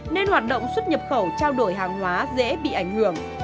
nên hoạt động xuất nhập khẩu trao đổi hàng hóa dễ bị ảnh hưởng